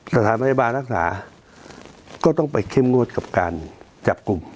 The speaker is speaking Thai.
สถานพยาบาลรักษาก็ต้องไปเข้มงวดกับการจับกลุ่ม